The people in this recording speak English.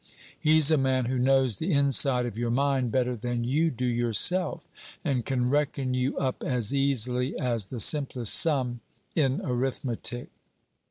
He's a man who knows the inside of your mind better than you do yourself; and can reckon you up as easily as the simplest sum in arithmetic."